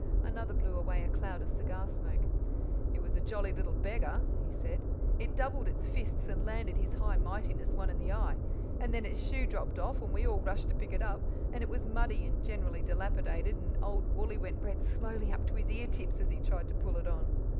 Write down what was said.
Another blew away a cloud of cigar smoke. "It was a jolly little beggar," he said. "It doubled its fists and landed His High Mightiness one in the eye; and then its shoe dropped off, and we all rushed to pick it up, and it was muddy and generally dilapidated, and old Wooly went red slowly up to his ear tips as he tried to put it on."